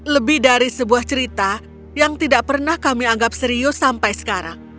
lebih dari sebuah cerita yang tidak pernah kami anggap serius sampai sekarang